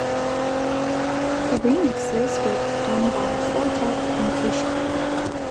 The remixes were done by Four Tet and Koushik.